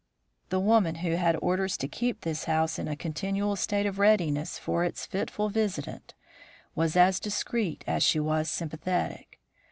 "The woman who had orders to keep this house in a continual state of readiness for its fitful visitant was as discreet as she was sympathetic.